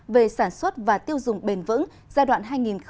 về sản xuất và tiêu dùng bền vững giai đoạn hai nghìn hai mươi một hai nghìn ba mươi